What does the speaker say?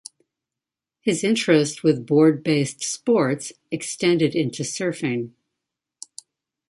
His interest with board based sports extended into surfing.